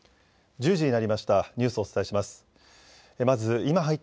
１０時になりました。